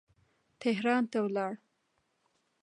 تهران ته ولاړ.